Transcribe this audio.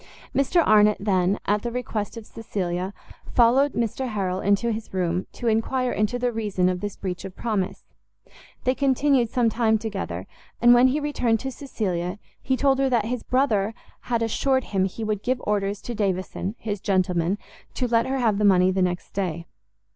Mr Arnott then, at the request of Cecilia, followed Mr Harrel into his room, to enquire into the reason of this breach of promise; they continued some time together, and when he returned to Cecilia, he told her, that his brother had assured him he would give orders to Davison, his gentleman, to let her have the money the next day.